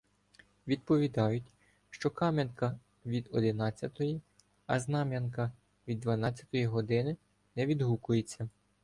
Відповідають, що Кам'янка від одинадцятої, а Знам'янка від дванадцятої години не відгукуються.